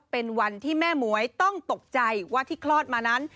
เป็นวันที่แม่หมวยต้องตกใจว่าที่คลอดมานั้น